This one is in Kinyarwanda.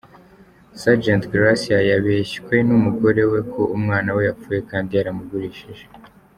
Sgt Garcia yabeshywe n’umugore we ko umwana we yapfuye kandi yaramugurishije.